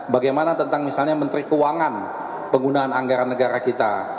bagaimana tentang misalnya menteri keuangan penggunaan anggaran negara kita